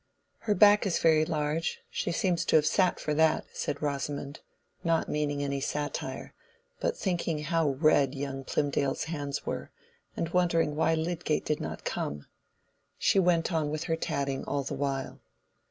"Her back is very large; she seems to have sat for that," said Rosamond, not meaning any satire, but thinking how red young Plymdale's hands were, and wondering why Lydgate did not come. She went on with her tatting all the while.